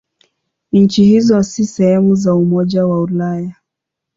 Nchi hizo si sehemu za Umoja wa Ulaya.